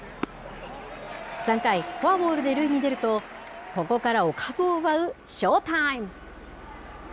３回フォアボールで塁に出るとここからお株を奪うショータイム。